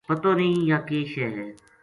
پتو نیہہ یاہ کے شے ہے